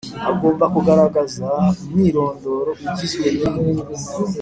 Agomba kugaragaza umwirondoro ugizwe n ibi